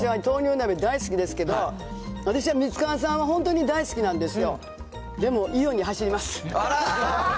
これ、私豆乳鍋、大好きですけど、私はミツカンさんは本当に大好きなんですよ。